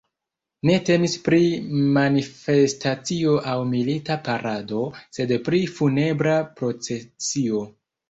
Ne temis pri manifestacio aŭ milita parado, sed pri funebra procesio.